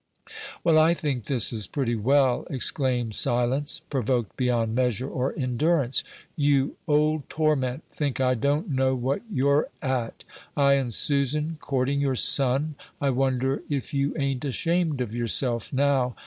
"Well, I think this is pretty well!" exclaimed Silence, provoked beyond measure or endurance; "you old torment! think I don't know what you're at! I and Susan courting your son? I wonder if you ain't ashamed of yourself, now!